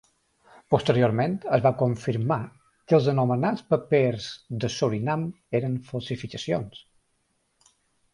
Posteriorment, es va confirmar que els anomenats papers de Surinam eren falsificacions.